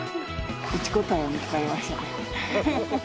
１個体は見つかりました。